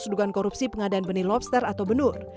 sedugaan korupsi pengadaan benih lobster atau benur